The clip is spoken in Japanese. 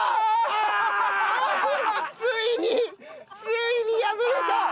ついについに敗れた！